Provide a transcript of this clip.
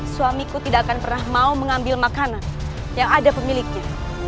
suamiku tidak akan pernah mau mengambil makanan yang ada pemiliknya